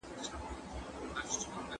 مدیتیشن مو ژوند ته سکون ورکوي.